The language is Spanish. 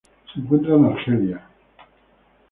Se encuentra en Argelia.